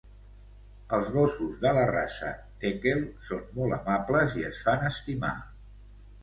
Els gossos de la raça Tekel son molt amables i es fan estimar